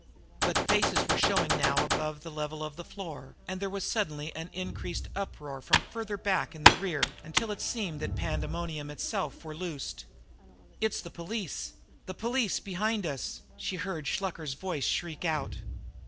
But faces were showing now above the level of the floor, and there was suddenly an increased uproar from further back in the rear until it seemed that pandemonium itself were loosed. "It's the police! The police behind us!" she heard Shluker's voice shriek out.